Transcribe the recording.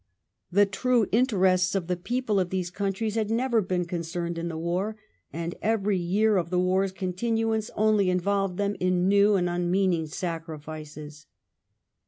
The true interests of the people of these countries had never been concerned in the war, and every year of the war's continuance only involved them in new and unmeaning sacrifices.